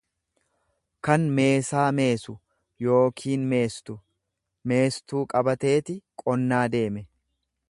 kan meesaa meesu yookiin meestu; Meestuu qabateeti qonnaa deeme.